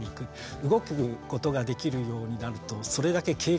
動くことができるようになるとそれだけ経験が広がります。